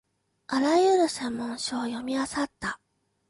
あらゆる専門書を読みあさった